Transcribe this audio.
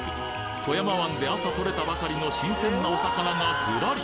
富山湾で朝獲れたばかりの新鮮なお魚がズラリ！